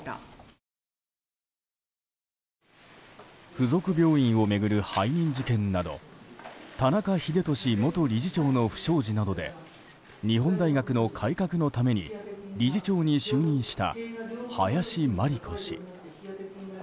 附属病院を巡る背任事件など田中英寿元理事長の不祥事などで日本大学の改革のために理事長に就任した林真理子氏。